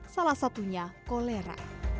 salah satunya kolera